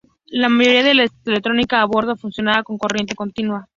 La mayoría de la electrónica a bordo funcionaba con corriente continua.